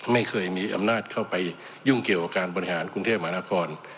ไม่เคยมีอำนาจเข้าไปยุ่งเกี่ยวกับการบริหารกรุงเทพมหานคร